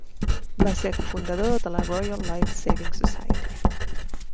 Va ser cofundador de la Royal Life Saving Society.